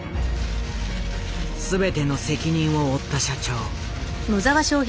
全ての責任を負った社長。